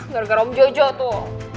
gargara om jojo tuh